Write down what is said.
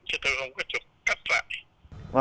chứ tôi không có chụp cách lại